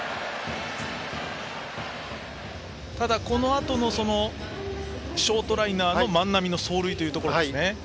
ただ、このあとのショートライナーの万波の走塁ですね。